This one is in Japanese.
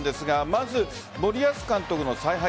まず森保監督の采配